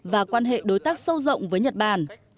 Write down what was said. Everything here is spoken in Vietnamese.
và quan hệ đối tác sâu rộng với nhật bản